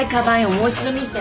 もう一度見て。